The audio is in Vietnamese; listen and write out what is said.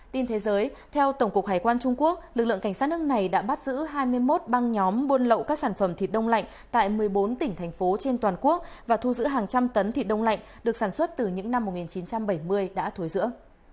tin thế giới theo tổng cục hải quan trung quốc lực lượng cảnh sát nước này đã bắt giữ hai mươi một băng nhóm buôn lậu các sản phẩm thịt đông lạnh tại một mươi bốn tỉnh thành phố trên toàn quốc và thu giữ hàng trăm tấn thịt đông lạnh được sản xuất từ những năm một nghìn chín trăm bảy mươi đã thúi giữa